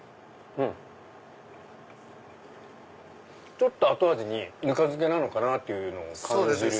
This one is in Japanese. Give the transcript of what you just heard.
ちょっと後味にぬか漬けかな？っていうのを感じる。